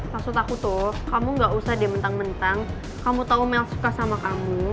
maksud aku tuh kamu ga usah deh mentang mentang kamu tau mel suka sama kamu